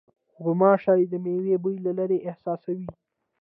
غوماشې د مېوې بوی له لېرې احساسوي.